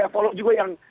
follow juga yang